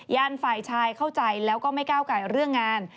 ญาติฝ่ายชายเข้าใจแล้วก็ไม่ก้าวไก่เรื่องงาน